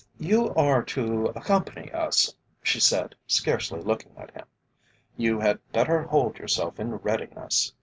"If you are to accompany us," she said, scarcely looking at him, "you had better hold yourself in readiness.